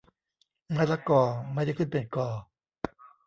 มะละกอ ไม่ได้ขึ้นเป็นกอ